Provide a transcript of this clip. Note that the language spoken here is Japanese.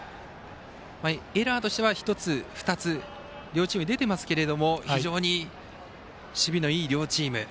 エラーとしては１つ、２つ両チームに出てますが非常に守備のいい両チーム。